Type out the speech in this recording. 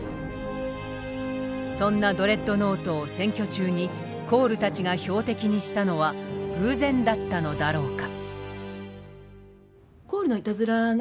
そんなドレッドノートを選挙中にコールたちが標的にしたのは偶然だったのだろうか？